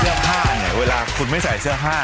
เสื้อผ้าเนี่ยเวลาคุณไม่ใส่เสื้อผ้า